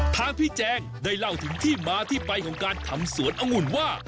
ทางพี่แจงได้เล่าถึงที่มาที่ไปของการทำสวนองุ่นว่า